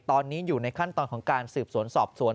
ตอนนี้อยู่ในขั้นตอนของการสืบสวนสอบสวน